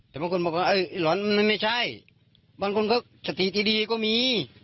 แต่บางคนบอกว่าไอ้หลอนมันไม่ใช่บางคนเขาสติดีก็มี